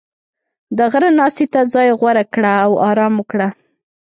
• د غره ناستې ته ځای غوره کړه او آرام وکړه.